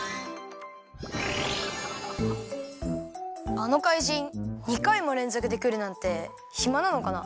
あのかいじん２かいもれんぞくでくるなんてひまなのかな。